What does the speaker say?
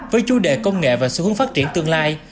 với chủ đề công nghệ và xu hướng phát triển tương lai